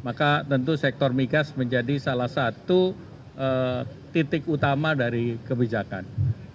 maka tentu sektor migas menjadi salah satu titik utama dari kebijakan